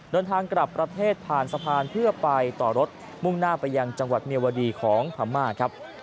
เดินทางกลับประเทศผ่านสะพานเพื่อไปต่อรถมุ่งหน้าไปยังจังหวัดเมียวดีของพม่าครับ